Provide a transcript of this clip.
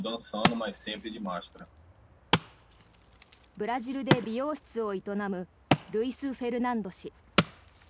ブラジルで美容室を営むルイス・フェルナンド氏。